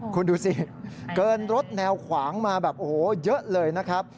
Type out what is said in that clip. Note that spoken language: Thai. คุณดูสิเกินรถแนวขวางมาแบบโอ้โหเยอะเลยนะครับ